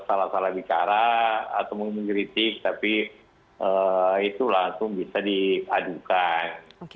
salah salah bicara atau mengkritik tapi itu langsung bisa diadukan